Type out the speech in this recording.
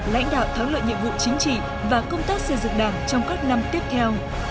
lãnh đạo thắng lợi nhiệm vụ chính trị và công tác xây dựng đảng trong các năm tiếp theo